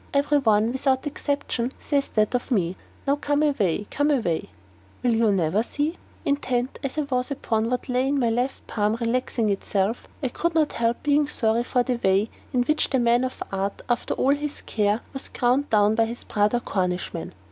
Every one, without exception, says that of me. Now come away, come away will you never see?" Intent as I was upon what lay in my left palm relaxing itself, I could not help being sorry for the way in which the man of art, after all his care, was ground down by his brother Cornishman.